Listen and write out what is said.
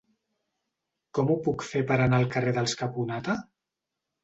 Com ho puc fer per anar al carrer dels Caponata?